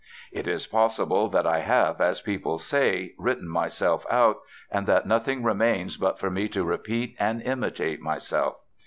"It is possible that I have, as people say, written myself out, and that nothing remains but for me to repeat and imitate myself.